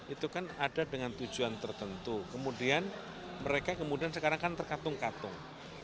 itu kan ada dengan tujuan tertentu kemudian mereka kemudian sekarang kan terkatung katung